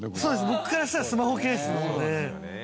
僕からしたらスマホケースなので。